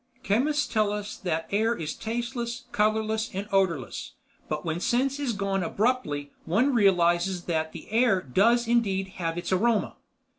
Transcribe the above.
Chemists tell us that air is tasteless, colorless, and odorless, but when sense is gone abruptly one realizes that the air does indeed have its aroma.